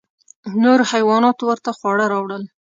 نورو حیواناتو ورته خواړه راوړل.